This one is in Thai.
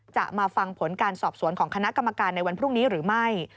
จะมาฟังผลการสอบสวนของคณะกรรมการในวันพรุ่งนี้หรือไม่